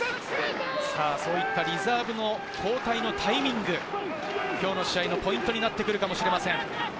リザーブの交代のタイミング、今日の試合のポイントになってくるかもしれません。